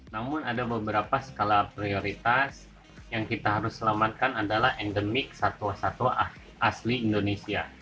namun ada beberapa skala prioritas yang kita harus selamatkan adalah endemik satwa satwa asli indonesia